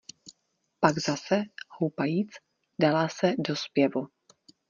Pak zase, houpajíc, dala se do zpěvu.